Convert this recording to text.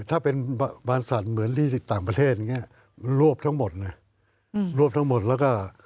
ถ้าเป็นบรรษัทเหมือนที่ต่างประเทศรวบทั้งหมดรวบทั้งหมดแล้วก็